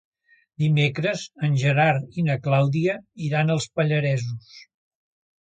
Dimecres en Gerard i na Clàudia iran als Pallaresos.